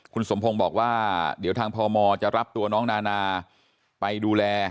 คุณสมพงศ์บอกว่าเดี๋ยวทางพมจะรับตัวน้องนานาไปดูแล